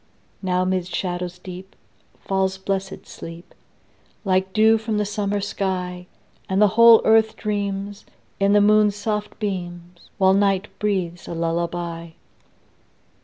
Now 'mid shadows deep Falls blessed sleep, Like dew from the summer sky; And the whole earth dreams, In the moon's soft beams, While night breathes a lullaby.